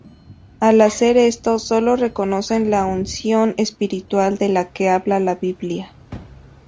Al hacer esto sólo reconocen la unción espiritual de la que habla la biblia.